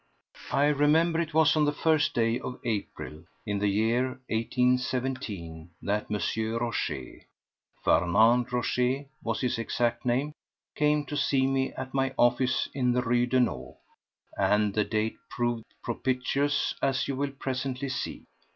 I remember it was on the first day of April in the year 1817 that M. Rochez—Fernand Rochez was his exact name—came to see me at my office in the Rue Daunou, and the date proved propitious, as you will presently see.